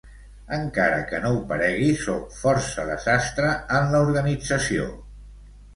Encara que no ho paregui, soc força desastre en la organització.